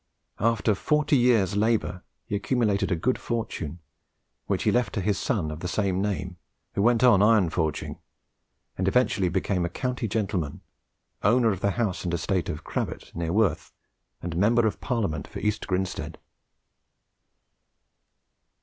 After forty years' labour, he accumulated a good fortune, which he left to his son of the same name, who went on iron forging, and eventually became a county gentleman, owner of the house and estate of Crabbett near Worth, and Member of Parliament for East Grinstead.